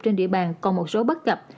trên địa bàn còn một số bất cập